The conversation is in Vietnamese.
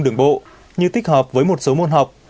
đường bộ như thích hợp với một số môn học